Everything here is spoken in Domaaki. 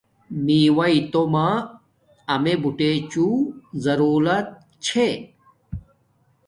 میواݵݵ تومہ امیے بوٹنݣ ضرولت چھے